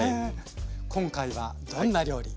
今回はどんな料理？